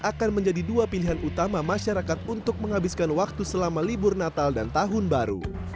akan menjadi dua pilihan utama masyarakat untuk menghabiskan waktu selama libur natal dan tahun baru